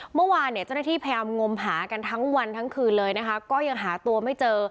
เมื่อวานเนี่ยเจ้าหน้าที่พยายามงมหากันทั้งวันทั้งคืนเลยนะคะก็ยังหาตัวไม่เจอ